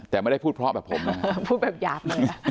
แต่ไม่ได้พูดเพราะแบบผมนะครับ